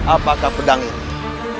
apakah pedang ini